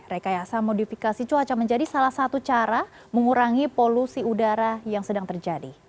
rekayasa modifikasi cuaca menjadi salah satu cara mengurangi polusi udara yang sedang terjadi